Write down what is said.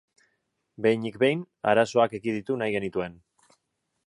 Behinik behin, arazoak ekiditu nahi genituen.